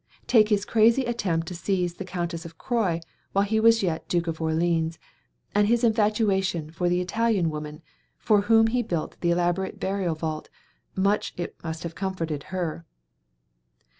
Take his crazy attempt to seize the Countess of Croy while he was yet Duke of Orleans; and his infatuation for the Italian woman, for whom he built the elaborate burial vault much it must have comforted her.